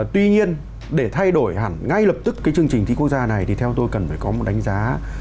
tuy nhiên để thay đổi hẳn ngay lập tức cái chương trình thi quốc gia này thì theo tôi cần phải có một đánh giá